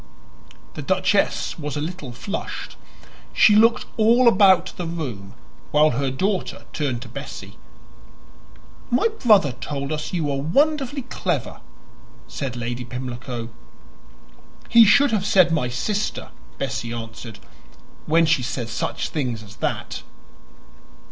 The duchess was a little flushed; she looked all about the room, while her daughter turned to Bessie. "My brother told us you were wonderfully clever," said Lady Pimlico. "He should have said my sister," Bessie answered "when she says such things as that."